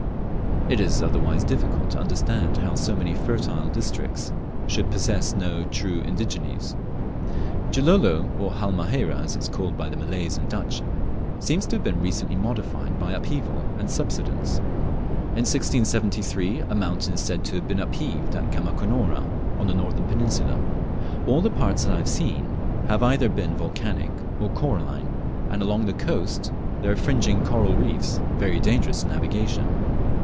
It is otherwise difficult to understand how so many fertile districts should possess no true indigenes. Gilolo, or Halmaheira as it is called by the Malays and Dutch, seems to have been recently modified by upheaval and subsidence. In 1673, a mountain is said to stave been upheaved at Gamokonora on the northern peninsula. All the parts that I have seen have either been volcanic or coralline, and along the coast there are fringing coral reefs very dangerous to navigation.